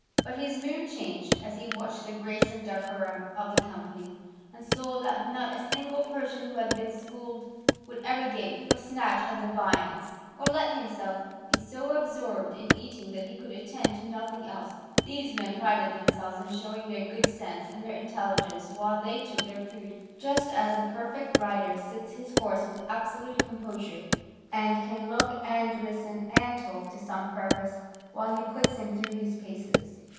But his mood changed as he watched the grace and decorum of the company; and saw that not a single Persian who had been schooled would ever gape, or snatch at the viands, or let himself be so absorbed in eating that he could attend to nothing else; these men prided themselves on showing their good sense and their intelligence while they took their food, just as a perfect rider sits his horse with absolute composure, and can look and listen and talk to some purpose while he puts him through his paces.